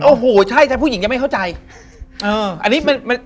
โอ้โหผู้หญิงจะไม่เข้าใจ